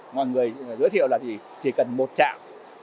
mọi người giới thiệu là chỉ cần một chạm